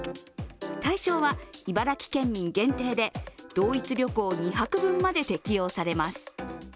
対象は茨城県民限定で同一旅行２泊分まで適用されます。